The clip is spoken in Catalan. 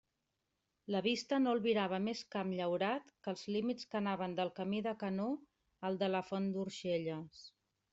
La vista no albirava més camp llaurat que els límits que anaven del camí de Canor al de la font d'Orxelles.